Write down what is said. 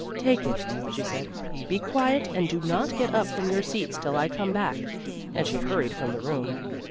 "Take it," she said, "be quiet, and do not get up from your seats till I come back;" and she hurried from the room.